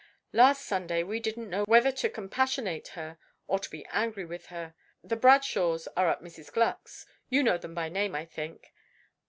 "Last Sunday we didn't know whether to compassionate her or to be angry with her. The Bradshaws are at Mrs. Gluck's. You know them by name, I think?